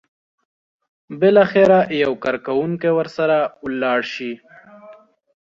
بالاخره یو کارکوونکی ورسره لاړ شي.